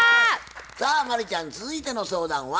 さあ真理ちゃん続いての相談は？